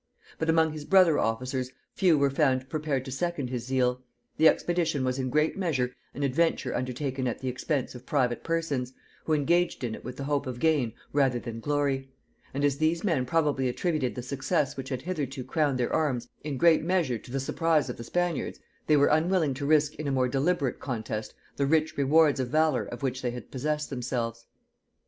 But among his brother officers few were found prepared to second his zeal: the expedition was in great measure an adventure undertaken at the expense of private persons, who engaged in it with the hope of gain rather than glory; and as these men probably attributed the success which had hitherto crowned their arms in great measure to the surprise of the Spaniards, they were unwilling to risk in a more deliberate contest the rich rewards of valor of which they had possessed themselves.